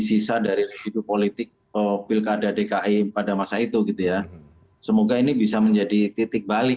sisa dari residu politik pilkada dki pada masa itu gitu ya semoga ini bisa menjadi titik balik